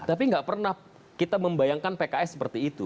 tapi nggak pernah kita membayangkan pks seperti itu